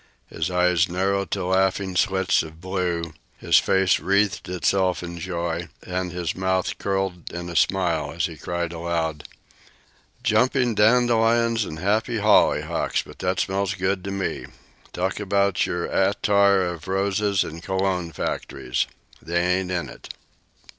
His eyes narrowed to laughing slits of blue, his face wreathed itself in joy, and his mouth curled in a smile as he cried aloud: "Jumping dandelions and happy hollyhocks, but that smells good to me! Talk about your attar o' roses an' cologne factories! They ain't in it!"